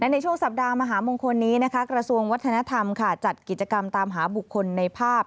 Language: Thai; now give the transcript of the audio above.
ในช่วงสัปดาห์มหามงคลนี้กระทรวงวัฒนธรรมจัดกิจกรรมตามหาบุคคลในภาพ